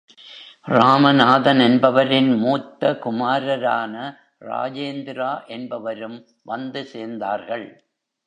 ராமநாதன் என்பவரின் மூத்த குமாரரான, ராஜேந்திரா என்பவரும் வந்து சேர்ந்தார்கள்.